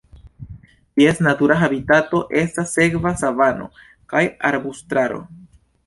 Ties natura habitato estas seka savano kaj arbustaro.